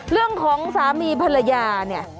เรื่องของสามีภรรยา